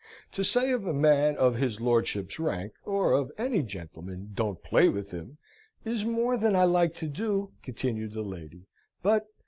"To say of a man of his lordship's rank, or of any gentleman, 'Don't play with him,' is more than I like to do," continued the lady; "but..."